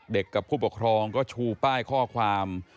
กับผู้ปกครองก็ชูป้ายข้อความ